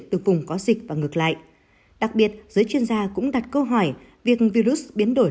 từ vùng có dịch và ngược lại đặc biệt giới chuyên gia cũng đặt câu hỏi việc virus biến đổi